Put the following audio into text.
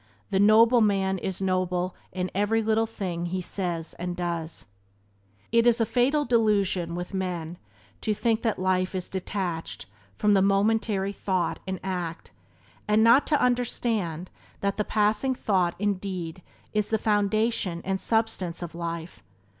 The noble man is noble in every little thing he says and does. It is a fatal delusion with men to think that life is detached from the momentary thought and act, and not to understand that the passing thought and deed is the foundation and substance of life.